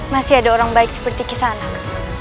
masih ada orang baik seperti kisanak